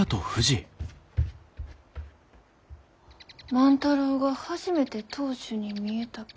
万太郎が初めて当主に見えたき。